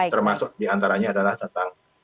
termasuk diantaranya adalah tentang